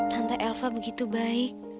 tante elva begitu baik